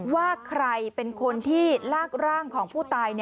ว่าใครเป็นคนที่ลากร่างของผู้ตาย